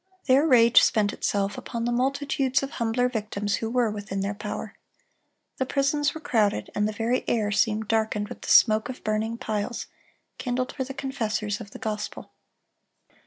Their rage spent itself upon the multitudes of humbler victims who were within their power. The prisons were crowded, and the very air seemed darkened with the smoke of burning piles, kindled for the confessors of the gospel.